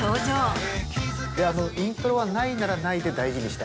イントロはないならないで大事にしたい。